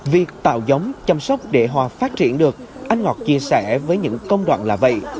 việc tạo giống chăm sóc để hòa phát triển được anh ngọt chia sẻ với những công đoạn là vậy